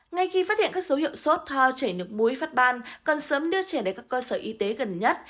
ngay khi phát hiện các dấu hiệu sốt ho chảy nước muối phát ban cần sớm đưa trẻ đến các cơ sở y tế gần nhất